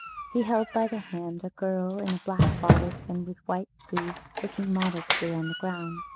He held by the hand a girl, in black bodice and with white sleeves, looking modestly on the ground.